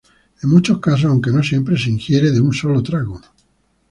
En muchos casos, aunque no siempre, se ingiere de un solo trago.